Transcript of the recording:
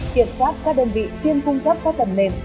kiểm soát các đơn vị chuyên cung cấp các phần mềm